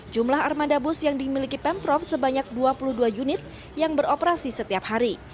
jumlah armada bus yang dimiliki pemprov sebanyak dua puluh dua unit yang beroperasi setiap hari